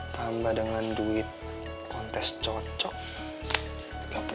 tambah dengan duit kontes cocok